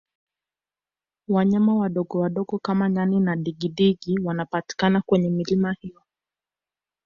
wanyama wadogowadogo kama nyani na digidigi wanapatikana kwenye milima hiyo